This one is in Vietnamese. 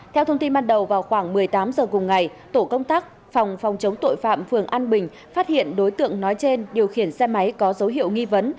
theo thông tin ban đầu vào khoảng một mươi tám h cùng ngày tổ công tác phòng phòng chống tội phạm phường an bình phát hiện đối tượng nói trên điều khiển xe máy có dấu hiệu nghi vấn